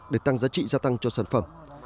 để tăng giá trị gia tăng cho sản phẩm